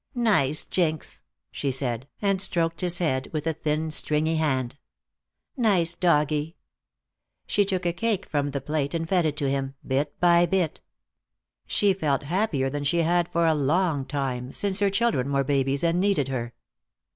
"Nice Jinx," she said, and stroked his head with a thin and stringy hand. "Nice doggie." She took a cake from the plate and fed it to him, bit by bit. She felt happier than she had for a long time, since her children were babies and needed her.